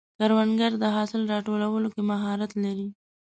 کروندګر د حاصل راټولولو کې مهارت لري